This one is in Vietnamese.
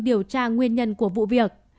điều tra nguyên nhân của vụ việc